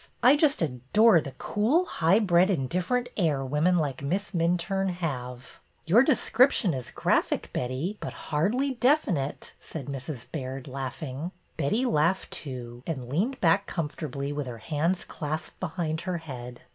I just adore the cool, highbred, indifferent air women like Miss Minturne have." '' Your description is graphic, Betty, but hardly definite," said Mrs. Baird, laughing. Betty laughed too, and leaned back com fortably, with her hands clasped behind her head.